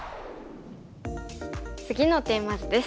次のテーマ図です。